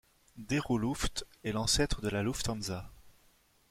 Deruluft est l'ancêtre de la Lufthansa.